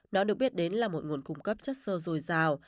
nó được biết đến là một nguồn cung cấp chất sơ dồi dào